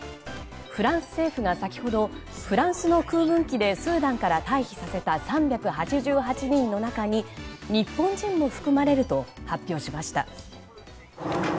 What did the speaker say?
フランス政府が先ほどフランスの空軍機でスーダンから退避させた３８８人の中に日本人も含まれると発表しました。